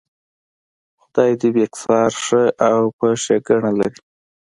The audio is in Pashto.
خدای دې بېکسیار ښه او په ښېګړه لري.